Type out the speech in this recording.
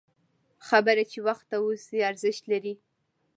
خبره چې وخته وشي، ارزښت لري